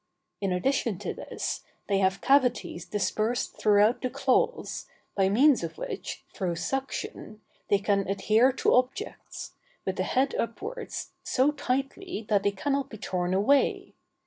In addition to this, they have cavities dispersed throughout the claws, by means of which, through suction, they can adhere to objects, with the head upwards, so tightly, that they cannot be torn away.